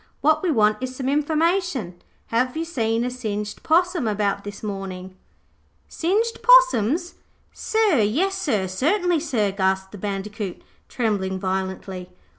What we want is some information. Have you seen a singed possum about this morning?' 'Singed possums, sir, yes sir, certainly sir,' gasped the Bandicoot, trembling violently.